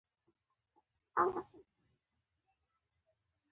او له وحدت سره يې نوې مانا لرونکی ستاينوم رامنځته کېږي